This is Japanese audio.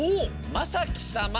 まさきさま。